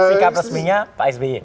sikap resminya pak sby